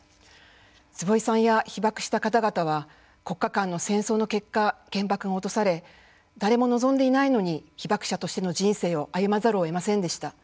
坪井さんや被爆した方々は国家間の戦争の結果原爆が落とされ誰も望んでいないのに被爆者としての人生を歩まざるをえませんでした。